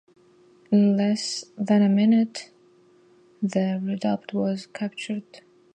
In less than a minute the redoubt was captured.